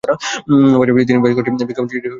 পাশাপাশি তিনি বেশ কয়েকটি বিজ্ঞাপনচিত্রে কাজ করেছেন।